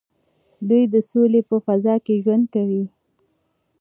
دوی د سولې په فضا کې ژوند کوي.